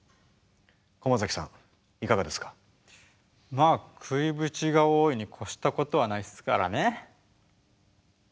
まあ食いぶちが多いに越したことはないっすからね。